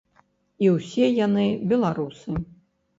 І ўсе яны беларусы.